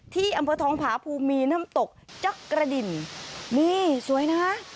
ที่อำเภอทองผาภูมิมีน้ำตกจักกระดินนี่สวยนะ